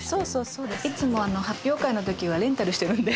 そうです」いつも発表会の時はレンタルしてるんで。